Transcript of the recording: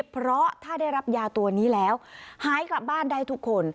เพราะถ้าได้รับยาตัวนี้แล้วหายกลับบ้านได้ทุกคน